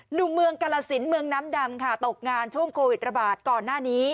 หนุ่มเมืองกาลสินเมืองน้ำดำค่ะตกงานช่วงโควิดระบาดก่อนหน้านี้